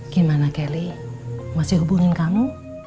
gimana kelly masih hubungin kamu